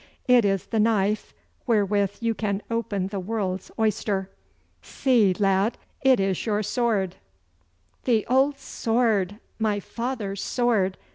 It is the knife wherewith you can open the world's oyster. See, lad, it is your sword!' 'The old sword! My father's sword!